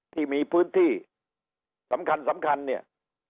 ที่มีพื้นที่สำคัญเนี่ย